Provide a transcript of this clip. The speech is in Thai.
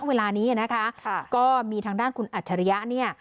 เวลานี้นะคะก็มีทางด้านคุณอัจฉริยะเนี่ย